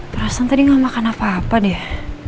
perasaan tadi nggak makan apa apa deh